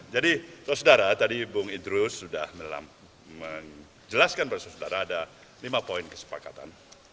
jadi tuan saudara tadi bung idris sudah menjelaskan kepada tuan saudara ada lima poin kesepakatan